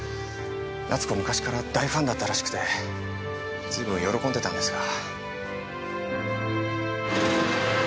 奈津子昔から大ファンだったらしくて随分喜んでたんですが。